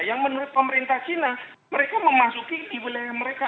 yang menurut pemerintah china mereka memasuki di wilayah mereka